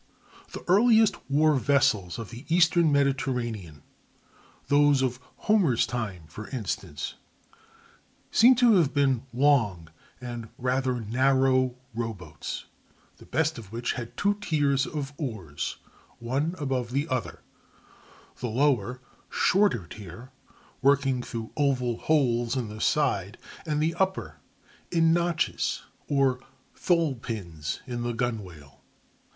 The earliest war vessels of the eastern Mediterranean—those of Homer's time, for instance—seem to have been long and rather narrow rowboats, the best of which had two tiers of oars, one above the other, the lower, shorter tier working through oval holes in the side, and the upper in notches or thole pins on the gunwale.